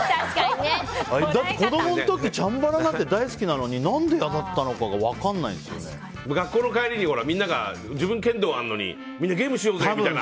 子供の時チャンバラなんて大好きなのに何で嫌だったのかが学校の帰りにみんなが自分は剣道あるのにみんなゲームしようぜみたいな。